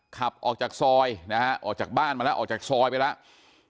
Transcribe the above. ขับออกจากซอยนะฮะออกจากบ้านมาแล้วออกจากซอยไปแล้ว